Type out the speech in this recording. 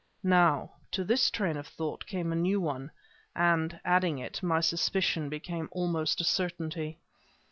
Now, to this train of thought came a new one, and, adding it, my suspicion became almost a certainty.